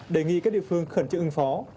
đề nghị các địa phương khẩn trương ứng phó